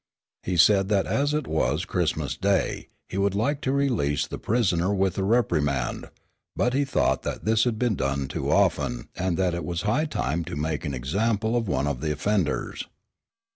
He said that as it was Christmas Day he would like to release the prisoner with a reprimand, but he thought that this had been done too often and that it was high time to make an example of one of the offenders.